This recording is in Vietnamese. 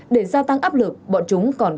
để gia tăng áp lực bọn chúng còn